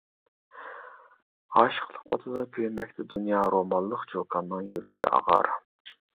ئاشىقلىق ئوتىدا كۆيمەكتە دۇنيا، روماللىق چوكاننىڭ يۈرىكى ئاغار.